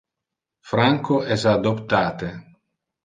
Franco es adoptate.